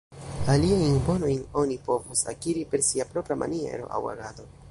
Aliajn bonojn oni povos akiri per sia propra maniero aŭ agado.